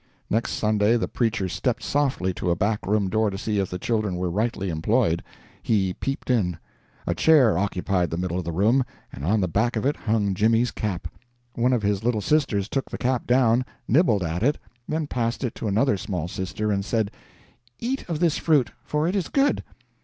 Next Sunday the preacher stepped softly to a back room door to see if the children were rightly employed. He peeped in. A chair occupied the middle of the room, and on the back of it hung Jimmy's cap; one of his little sisters took the cap down, nibbled at it, then passed it to another small sister and said, "Eat of this fruit, for it is good."